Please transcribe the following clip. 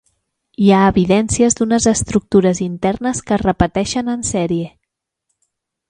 HI ha evidències d'unes estructures internes que es repeteixen en sèrie.